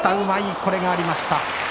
これがありました。